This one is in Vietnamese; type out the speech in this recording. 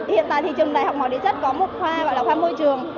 hiện tại trường đại học mọi địa chất có một khoa gọi là khoa môi trường